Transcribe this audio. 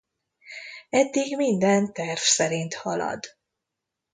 Eddig minden terv szerint halad.